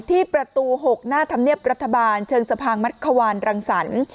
ที่ประตู๖หน้าธรรมเนียบรัฐบาลเชิงสะพานมัดขวานรังสรรค์